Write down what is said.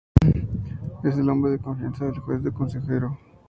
Es el hombre de confianza del Juez, su consejero.